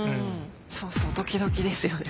そうそうドキドキですよね